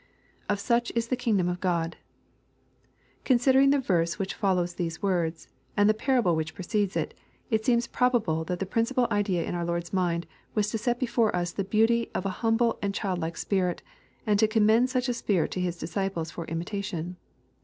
[Of such is (he kingdom of God.] Considering the verse which follows these words, and the parable which precedes it, it seems probable that the principal idea in our Lord's mind was to set be fore us the beauty of a humble and child like spirit, and to com mend such a spirit to His disciples for imitation.